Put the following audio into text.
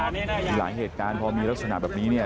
มีหลายเหตุการณ์พอมีลักษณะแบบนี้เนี่ย